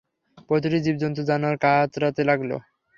প্রতিটি জীব-জন্তু জানোয়ার কাতরাতে লাগল।